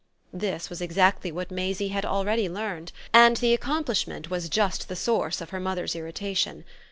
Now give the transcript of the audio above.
This was exactly what Maisie had already learned, and the accomplishment was just the source of her mother's irritation.